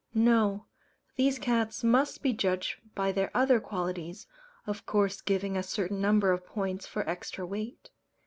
No; these cats must be judged by their other qualities, of course giving a certain number of points for extra weight.